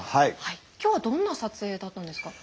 今日はどんな撮影だったんですか？